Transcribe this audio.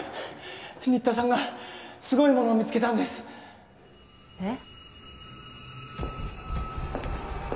新田さんがすごいものを見つけたんですえっ！？